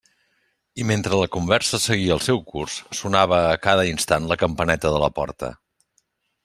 I mentre la conversa seguia el seu curs, sonava a cada instant la campaneta de la porta.